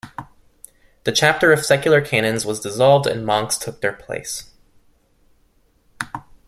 The chapter of secular canons was dissolved and monks took their place.